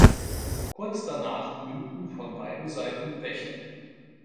Kurz danach münden von beiden Seiten Bäche.